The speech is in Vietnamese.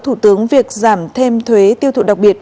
thủ tướng việc giảm thêm thuế tiêu thụ đặc biệt